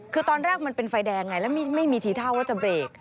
คือตอนแรกมันเป็นไฟแดงไงแล้วไม่มีทีท่าว่าจะเบรก